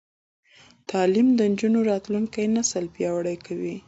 تعلیم د نجونو راتلونکی نسل پیاوړی کوي.